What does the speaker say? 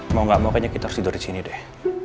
mau gak mau kayaknya kita harus tidur disini deh